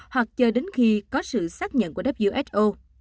hoặc chờ đến khi có sự xác nhận của who